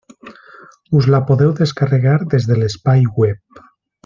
Us la podeu descarregar des de l'espai web.